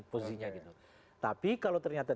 posisinya gitu tapi kalau ternyata